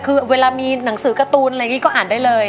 คือเวลามีหนังสือการ์ตูนอะไรอย่างนี้ก็อ่านได้เลย